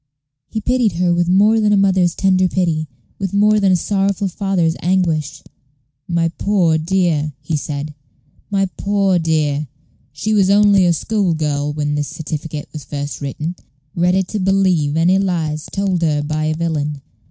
He pitied her with more than a mother's tender pity, with more than a sorrowful father's anguish. "My poor dear!" he said, "my poor dear! she was only a school girl when this certificate was first written an innocent child, ready to believe in any lies told her by a villain."